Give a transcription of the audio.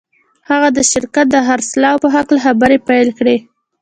هغه د شرکت د خرڅلاو په هکله خبرې پیل کړې